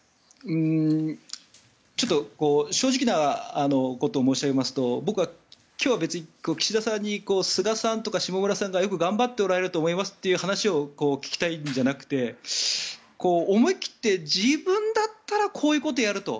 ちょっと正直なことを申し上げますと僕は今日は別に岸田さんに菅さんとか下村さんがよく頑張っておられると思いますという話を聞きたいんじゃなくて思い切って自分だったらこういうことをやると。